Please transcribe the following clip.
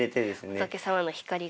仏様の光が。